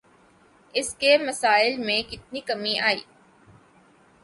اس کے مسائل میں کتنی کمی آئی؟